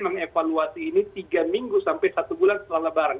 mengevaluasi ini tiga minggu sampai satu bulan setelah lebaran